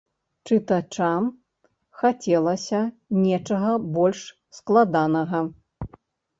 Чытачам хацелася нечага больш складанага.